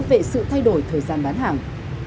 về sự thay đổi thời gian bán hàng